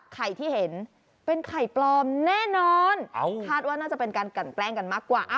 ไข่ที่เห็นเป็นไข่ปลอมแน่นอนคาดว่าน่าจะเป็นการกันแกล้งกันมากกว่า